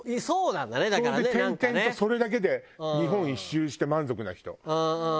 それで転々とそれだけで日本一周して満足な人。